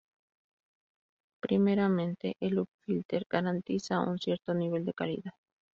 Primeramente, el loop filter garantiza un cierto nivel de calidad.